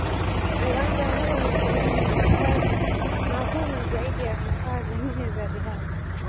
Uwanja huo ni sehemu ya makazi magumu zaidi ya vifaa vingine vya riadha.